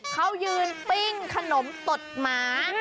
เขายืนปิ้งขนมตดหมา